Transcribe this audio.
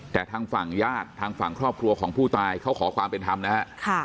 แต่ทางฝั่งญาติทางฝั่งครอบครัวของผู้ตายเขาขอความเป็นธรรมนะฮะ